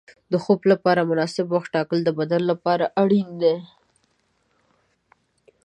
د خوب لپاره مناسب وخت ټاکل د بدن لپاره اړین دي.